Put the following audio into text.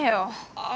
ああ。